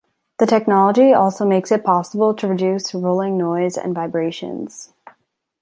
The technology also makes it possible to reduce rolling noise and vibrations.